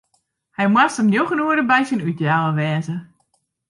Hy moast om njoggen oere by syn útjouwer wêze.